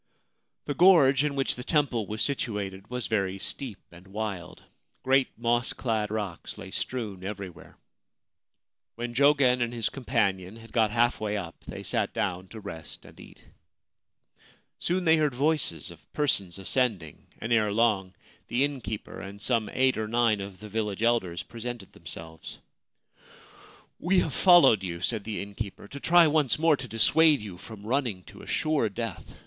The gorge in which the temple was situated was very steep and wild. Great moss clad rocks lay strewn every where. When Jogen and his companion had got half way up they sat down to rest and eat. Soon they heard voices of persons ascending, and ere long the innkeeper and some eight or nine of the village elders presented themselves. 38 A Haunted Temple in Inaba Province ' We have followed you/ said the innkeeper, c to try once more to dissuade you from running to a sure death.